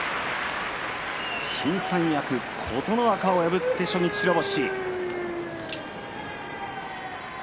新三役の琴ノ若を破って初日白星。